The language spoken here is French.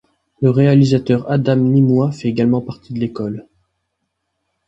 Le réalisateur Adam Nimoy fait également partie de l'école.